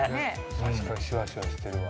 確かにシュワシュワしてるわ。